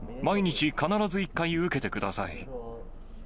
毎日、必ず１回、受けてください。